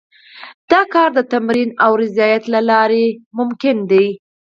دا کار د تمرين او رياضت له لارې ممکن دی.